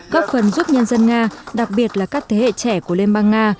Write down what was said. góp phần giúp nhân dân nga đặc biệt là các thế hệ trẻ của lemba nga